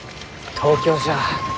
東京じゃ。